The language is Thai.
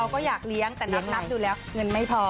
ก็อยากเลี้ยงแต่นับดูแล้วเงินไม่พอ